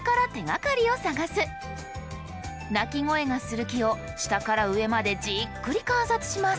鳴き声がする木を下から上までじっくり観察します。